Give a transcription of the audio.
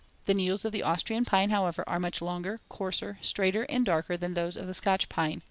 The needles of the Austrian pine, however, are much longer, coarser, straighter, and darker than those of the Scotch pine; Fig.